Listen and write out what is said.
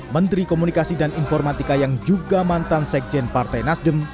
menteri komunikasi dan informatika yang juga mantan sekjen partai nasdem